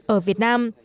ở việt nam